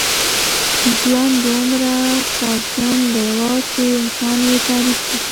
ژوند دومره خوځنده و چې انسان يې تعريف ته.